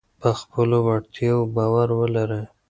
په خپلو وړتیاوو باور ولرئ.